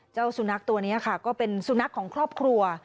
เจ้าสุนัขตัวนี้ค่ะก็เป็นสุนัขของครอบครัว